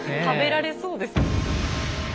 食べられそうです。